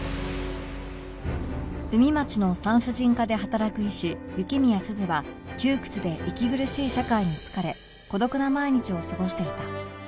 海街の産婦人科で働く医師雪宮鈴は窮屈で息苦しい社会に疲れ孤独な毎日を過ごしていた